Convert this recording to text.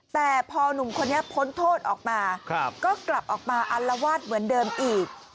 แต่พอหนุ่มคนนี้พ้นโทษออกมาก็กลับออกมาอัลวาดเหมือนเดิมอีก